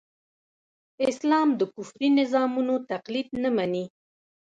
اسلام د کفري نظامونو تقليد نه مني.